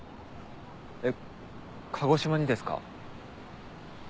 えっ鹿児島にですか？